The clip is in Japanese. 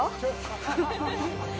フフフッ。